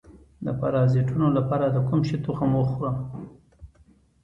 د پرازیتونو لپاره د کوم شي تخم وخورم؟